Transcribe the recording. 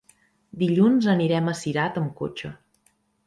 Dilluns anirem a Cirat amb cotxe.